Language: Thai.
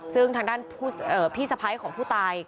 ซึ่งทางด้านพี่สะพ้ายของผู้ตาย